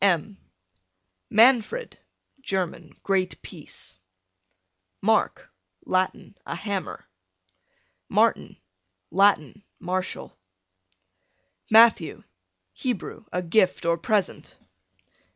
M Manfred, German, great peace. Mark, Latin, a hammer. Martin, Latin, martial. Matthew, Hebrew, a gift or present.